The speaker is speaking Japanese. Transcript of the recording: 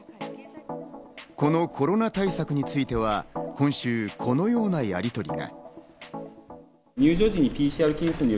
このコロナ対策については、今週、このようなやりとりが。